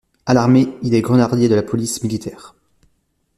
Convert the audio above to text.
À l'armée, il est grenadier de la police militaire.